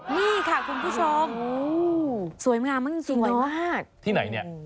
นี่ค่ะคุณผู้ชมสวยมากที่ไหนเนี่ย